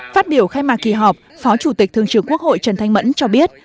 phát biểu khai mạc kỳ họp phó chủ tịch thường trưởng quốc hội trần thanh mẫn cho biết